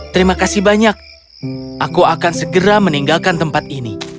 terima kasih banyak aku akan segera meninggalkan tempat ini